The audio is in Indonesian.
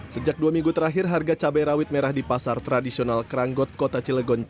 sejak dua minggu terakhir harga cabai rawit merah di pasar tradisional keranggot kota cilegon